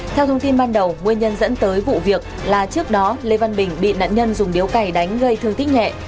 theo thông tin ban đầu nguyên nhân dẫn tới vụ việc là trước đó lê văn bình bị nạn nhân dùng điếu cày đánh gây thương tích nhẹ